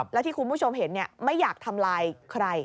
แล้วที่คุณผู้ชมเห็นไม่อยากทำลายใคร